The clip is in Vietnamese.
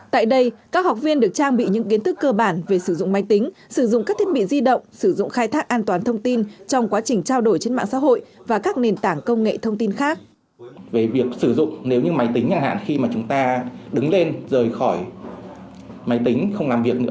tại đây các học viên được trang bị những kiến thức cơ bản về sử dụng máy tính sử dụng các thiết bị di động sử dụng khai thác an toàn thông tin trong quá trình trao đổi trên mạng xã hội và các nền tảng công nghệ thông tin khác